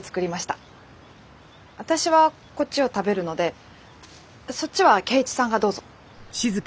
私はこっちを食べるのでそっちは圭一さんがどうぞ。